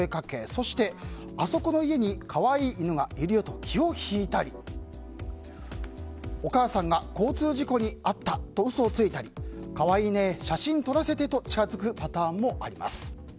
そしてあそこの家に可愛い犬がいるよと気を引いたりお母さんが交通事故に遭ったと嘘をついたり可愛いね、写真撮らせてと近づくパターンもあります。